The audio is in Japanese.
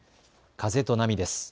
風と波です。